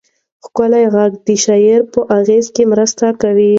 ښکلی غږ د شعر په اغېز کې مرسته کوي.